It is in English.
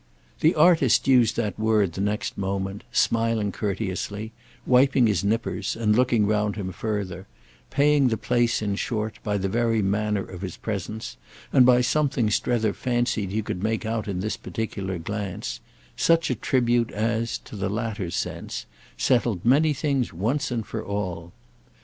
The artist used that word the next moment smiling courteously, wiping his nippers and looking round him further—paying the place in short by the very manner of his presence and by something Strether fancied he could make out in this particular glance, such a tribute as, to the latter's sense, settled many things once for all.